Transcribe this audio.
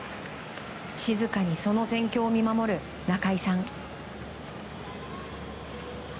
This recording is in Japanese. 静かにその戦況を見守る中居さん。